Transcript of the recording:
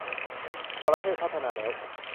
ประเทศพัฒนาแล้ว